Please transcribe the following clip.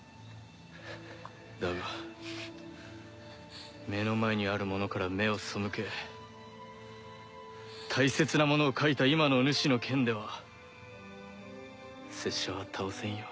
だが目の前にあるものから目を背け大切なものを欠いた今のお主の剣では拙者は倒せんよ。